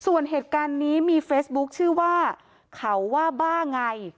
ส่วนเหตุการณ์นี้มีเฟซบุ๊คชื่อว่าเขาว่าบ้าไง